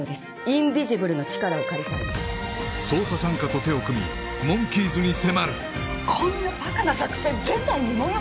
インビジブルの力を借りたいの捜査三課と手を組みモンキーズに迫るこんなバカな作戦前代未聞よ！